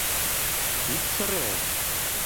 Ит сыре...